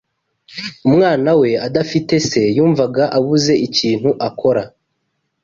umwana we adafite Se yumvaga abuze ikintu akora